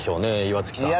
岩月さん。